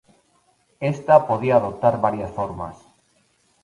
Ésta podía adoptar varias formas.